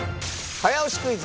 早押しクイズ！